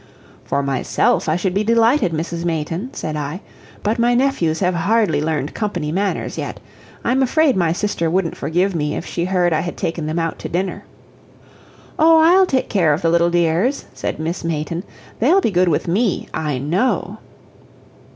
"For myself, I should be delighted, Mrs. Mayton," said I; "but my nephews have hardly learned company manners yet. I'm afraid my sister wouldn't forgive me if she heard I had taken them out to dinner." "Oh, I'll take care of the little dears," said Miss Mayton; "they'll be good with ME, I KNOW."